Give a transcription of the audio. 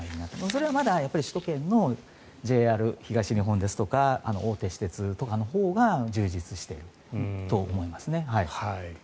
それはまだ首都圏のＪＲ東日本ですとか大手私鉄とかのほうが充実していると思いますね。